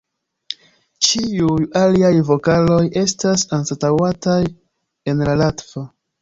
Ĉiuj aliaj vokaloj estas anstataŭataj en la latva.